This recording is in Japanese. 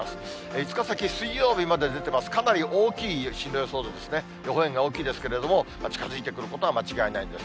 ５日先、水曜日まで出ていますが、かなり大きい進路予想図ですね、予報円が大きいですけれども、近づいてくることは間違いないです。